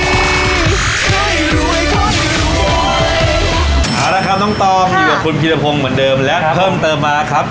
เอาละครับน้องตองอยู่กับคุณพีรพงศ์เหมือนเดิมและเพิ่มเติมมาครับ